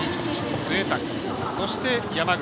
潰滝、そして、山口。